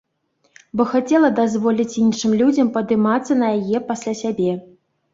Бо хацела дазволіць іншым людзям падымацца на яе пасля сябе.